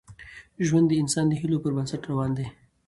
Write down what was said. ژوند د انسان د هیلو پر بنسټ روان وي.